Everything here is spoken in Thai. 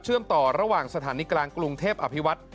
ต่อระหว่างสถานีกลางกรุงเทพอภิวัตร